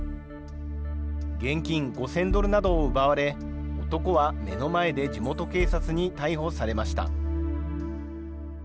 現金５０００ドルなどを奪われ、男は目の前で地元警察に逮捕されました。